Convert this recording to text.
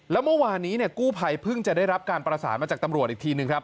แล้วเมื่อวานนี้กู้ภัยเพิ่งจะได้รับการประสานมาจากตำรวจอีกทีหนึ่งครับ